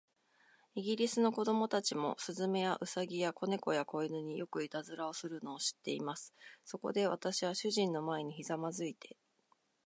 イギリスの子供たちも、雀や、兎や、小猫や、小犬に、よくいたずらをするのを知っています。そこで、私は主人の前にひざまずいて